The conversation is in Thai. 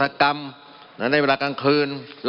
มันมีมาต่อเนื่องมีเหตุการณ์ที่ไม่เคยเกิดขึ้น